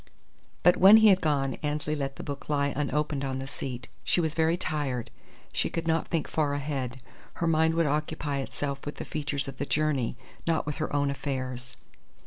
But when he had gone Annesley let the book lie unopened on the seat. She was very tired. She could not think far ahead. Her mind would occupy itself with the features of the journey, not with her own affairs.